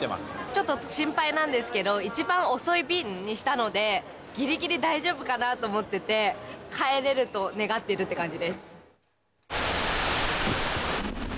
ちょっと心配なんですけど、一番遅い便にしたので、ぎりぎり大丈夫かなと思ってて、帰れると願ってるって感じです。